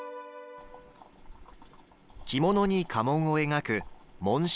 着物に家紋を描く紋章